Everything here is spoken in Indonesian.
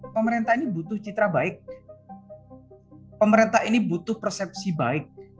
pemerintah ini butuh citra baik pemerintah ini butuh persepsi baik